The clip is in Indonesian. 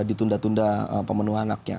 ditunda tunda pemenuhan anaknya